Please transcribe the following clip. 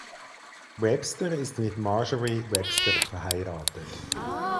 Webster ist mit Marjorie Webster verheiratet.